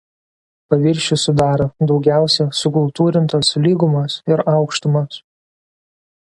Paviršių sudaro daugiausia sukultūrintos lygumos ir aukštumos.